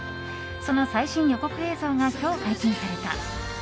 その最新予告映像が今日解禁された。